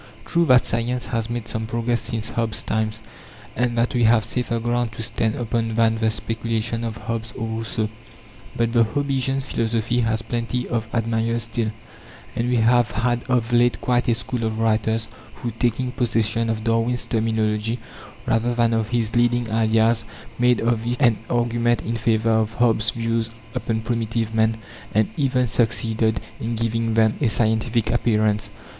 True, that science has made some progress since Hobbes's time, and that we have safer ground to stand upon than the speculations of Hobbes or Rousseau. But the Hobbesian philosophy has plenty of admirers still; and we have had of late quite a school of writers who, taking possession of Darwin's terminology rather than of his leading ideas, made of it an argument in favour of Hobbes's views upon primitive man, and even succeeded in giving them a scientific appearance.